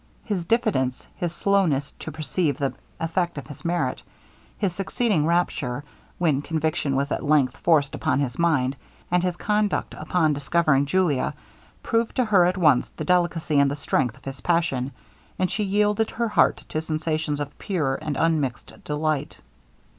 His diffidence his slowness to perceive the effect of his merit his succeeding rapture, when conviction was at length forced upon his mind; and his conduct upon discovering Julia, proved to her at once the delicacy and the strength of his passion, and she yielded her heart to sensations of pure and unmixed delight.